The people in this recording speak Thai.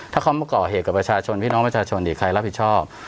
ถ้าเขามาก่อเหตุกับประชาชนพี่น้องประชาชนใครรับผิดชอบ